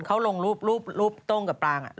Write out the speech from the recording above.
เขาลงลูบลูบต้งกับปางอ่ะ